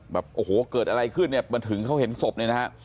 แบบโอ้โหเกิดอะไรขึ้นเนี่ยมาถึงเขาเห็นศพเนี่ยนะฮะ